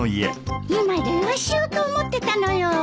今電話しようと思ってたのよ。